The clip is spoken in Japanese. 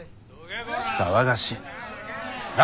騒がしいな。